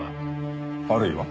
あるいは。